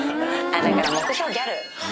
だから、目標、ギャル。